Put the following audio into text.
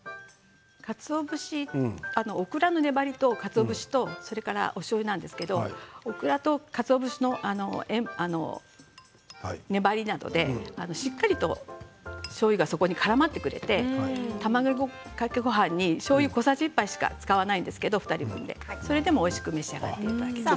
オクラの粘りとかつお節とおしょうゆなんですけれどもオクラと、かつお節の粘りなどでしっかりとしょうゆがそこにからまってくれて卵かけごはんにしょうゆを小さじ１杯しか使わないんですけれども２人分でそれでもおいしく召し上がれます。